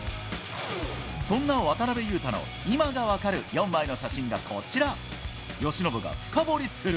そんな渡邊雄太の今が分かる４枚の写真がこちら。